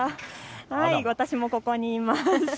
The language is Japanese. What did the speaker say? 私もここにいます。